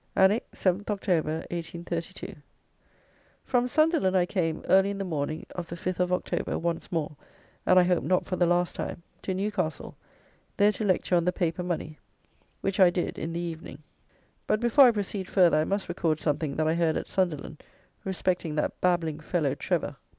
Alnwick, 7th Oct., 1832. From Sunderland I came, early in the morning of the 5th of October, once more (and I hope not for the last time) to Newcastle, there to lecture on the paper money, which I did, in the evening. But before I proceed further, I must record something that I heard at Sunderland respecting that babbling fellow Trevor!